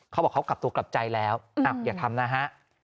เขาบอกเขากลับตัวกลับใจแล้วอย่าทำนะฮะ